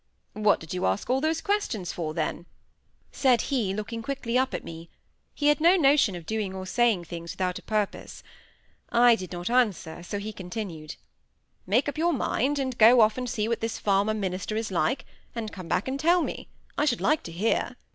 "What did you ask all those questions for, then?" said he, looking quickly up at me. He had no notion of doing or saying things without a purpose. I did not answer, so he continued,—"Make up your mind, and go off and see what this farmer minister is like, and come back and tell me—I should like to hear."